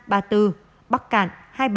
bắc cạn hai mươi bảy